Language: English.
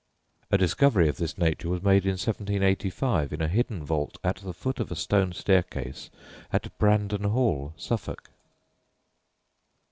A discovery of this nature was made in 1785 in a hidden vault at the foot of a stone staircase at Brandon Hall, Suffolk.